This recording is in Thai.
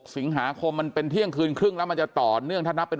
สิงหาคมมันเป็นเที่ยงคืนครึ่งแล้วมันจะต่อเนื่องถ้านับเป็น